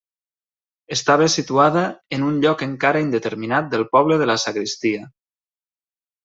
Estava situada en un lloc encara indeterminat del poble de la Sagristia.